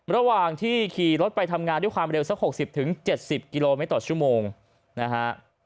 ระหว่างที่ขี่รถไปทำงานด้วยความเร็วสัก๖๐๗๐กิโลเมตรต่อชั่วโมงนะฮะ